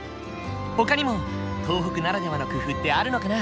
ほかにも東北ならではの工夫ってあるのかな？